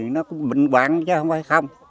nó cũng bình quản chứ không phải không